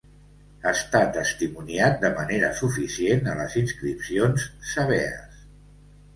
Està testimoniat de manera suficient a les inscripcions sabees.